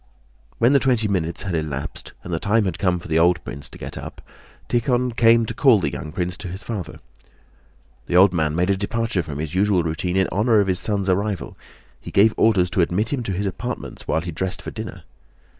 When the twenty minutes had elapsed and the time had come for the old prince to get up, Tíkhon came to call the young prince to his father. The old man made a departure from his usual routine in honor of his son's arrival: he gave orders to admit him to his apartments while he dressed for dinner.